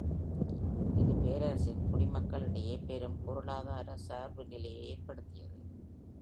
இது பேரரசின் குடிமக்களிடையே பெரும் பொருளாதார சார்புநிலையை ஏற்படுத்தியது.